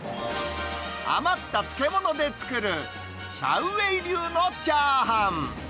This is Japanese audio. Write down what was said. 余った漬物で作る、シャウ・ウェイ流のチャーハン。